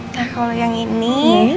nah kalau yang ini